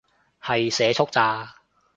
係社畜咋